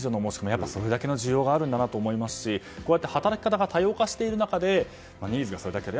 やっぱりそれだけの需要があるんだと思いますし働き方が多様化している中でニーズがそれだけある。